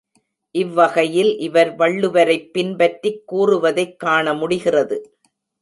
இவ்வகையில் இவர் வள்ளுவரைப் பின்பற்றிக் கூறுவதைக் காண முடிகிறது.